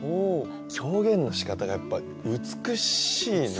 表現のしかたがやっぱ美しいなって。